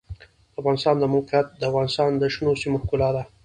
د افغانستان د موقعیت د افغانستان د شنو سیمو ښکلا ده.